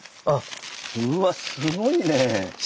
うわっすごいね。